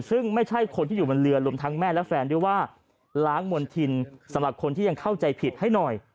ซึ่งไม่ใช่คนที่อยู่บนเรือรวมทั้งแม่และแฟนด้วยว่าล้างมณฑินสำหรับคนที่ยังเข้าใจผิดให้หน่อย